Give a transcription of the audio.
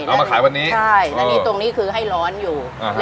เอามาขายวันนี้ใช่แล้วนี่ตรงนี้คือให้ร้อนอยู่